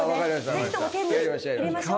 ぜひとも手に入れましょう。